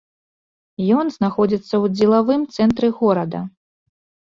Ён знаходзіцца ў дзелавым цэнтры горада.